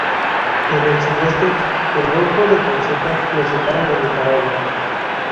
En el sudeste, el golfo de Fonseca lo separa de Nicaragua.